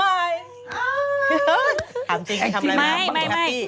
พูดจริงทำอะไร